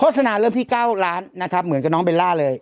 สนาเริ่มที่๙ล้านนะครับเหมือนกับน้องเบลล่าเลย